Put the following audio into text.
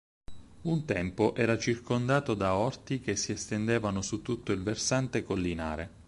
Un tempo era circondato da orti che si estendevano su tutto il versante collinare.